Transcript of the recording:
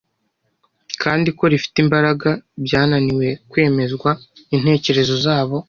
kandi ko rifite imbaraga byananiwe kwemeza intekerezo zabo